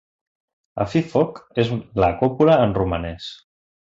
"A fi, foc" és la còpula en romanès.